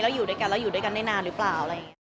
แล้วอยู่ด้วยกันได้นานหรือเปล่า